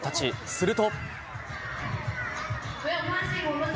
すると。